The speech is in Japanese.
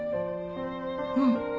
うん。